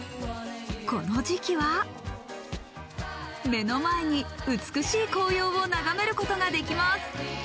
この時期は目の前に美しい紅葉を眺めることができます。